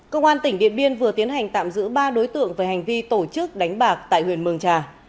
công an tỉnh điện biên vừa tiến hành tạm giữ ba đối tượng về hành vi tổ chức đánh bạc tại huyện mường trà